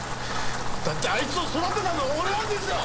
だってあいつを育てたのは俺なんですよ！